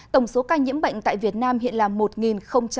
tổng số ca nhiễm bệnh tại việt nam hiện là một bốn mươi sáu ca